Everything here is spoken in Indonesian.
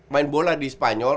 main bola di spanyol